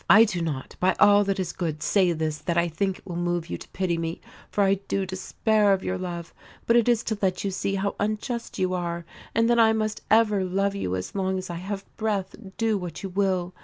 I do not, by all that is good, say this that I think it will move you to pity me, for I do despair of your love, but it is to let you see how unjust you are, and that I must ever love you as long as I have breath, do what you will.